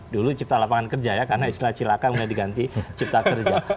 dulu cipta lapangan kerja ya karena istilah cilaka mulai diganti cipta kerja